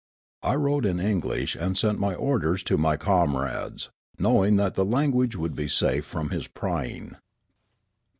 I wrote in English, and sent my orders to ray comrades, knowing that the language would be safe from his prying.